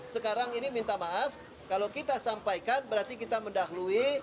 sekarang ini minta maaf kalau kita sampaikan berarti kita mendahului